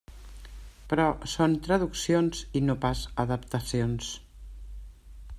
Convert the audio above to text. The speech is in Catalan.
Però són traduccions i no pas adaptacions.